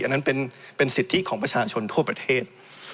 อันนั้นเป็นสิทธิของประชาชนทั่วประเทศ